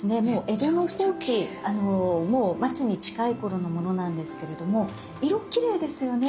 江戸の後期もう末に近い頃のものなんですけれども色きれいですよね。